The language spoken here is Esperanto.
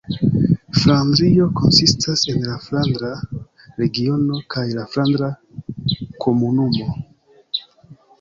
Flandrio konsistas el la Flandra Regiono kaj la Flandra Komunumo.